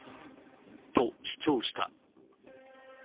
と主張した。